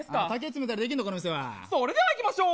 それではいきましょう。